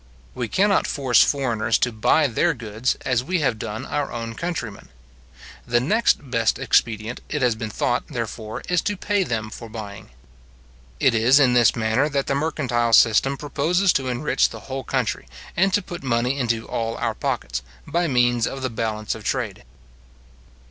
We cannot force foreigners to buy their goods, as we have done our own countrymen. The next best expedient, it has been thought, therefore, is to pay them for buying. It is in this manner that the mercantile system proposes to enrich the whole country, and to put money into all our pockets, by means of the balance of trade.